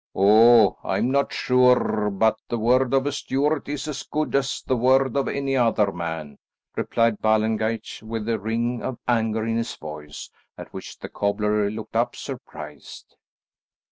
'" "Oh I'm not sure but the word of a Stuart is as good as the word of any other man," replied Ballengeich with a ring of anger in his voice, at which the cobbler looked up surprised.